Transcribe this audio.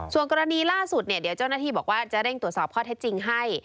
ส่วนกรณีล่าสุดเนี่ยเดี๋ยวเจ้าหน้าที่บอกว่าจะเร่งตรวจสอบข้อเท็จจริงให้